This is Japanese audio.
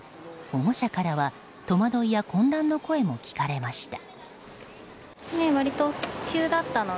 保護者からは戸惑いや混乱の声も聞かれました。